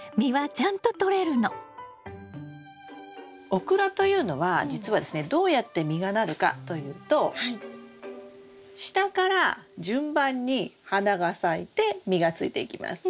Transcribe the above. オクラというのはじつはですねどうやって実がなるかというと下から順番に花が咲いて実がついていきます。